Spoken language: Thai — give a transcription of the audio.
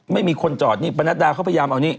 ไม่มีคนจอดนี่ประนัดดาเขาพยายามเอานี่